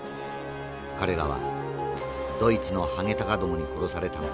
彼らはドイツのハゲタカどもに殺されたのだ。